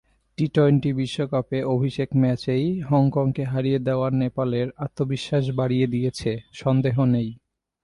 T twenty বিশ্বকাপে অভিষেক ম্যাচেই হংকংকে হারিয়ে দেওয়াটা নেপালের আত্মবিশ্বাস বাড়িয়ে দিয়েছে, সন্দেহ নেই।